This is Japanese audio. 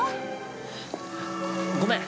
◆ごめん。